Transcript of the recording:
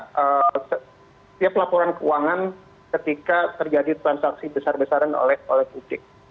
setiap laporan keuangan ketika terjadi transaksi besar besaran oleh publik